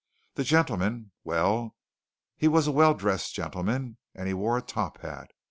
The gentleman well, he was a well dressed gentleman, and he wore a top hat.